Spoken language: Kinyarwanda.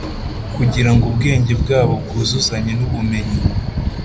kugira ngo ubwenge bwabo bwuzuzanye n’ubumenyi